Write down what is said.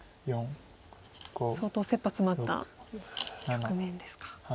相当せっぱ詰まった局面ですか。